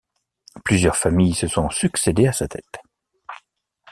Plusieurs familles se sont succédé à sa tête.